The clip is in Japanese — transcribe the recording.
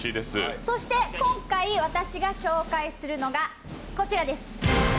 そして今回、私が紹介するのが、こちらです。